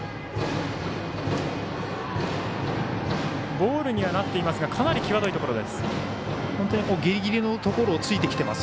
ボールにはなっていますがかなり際どいところです。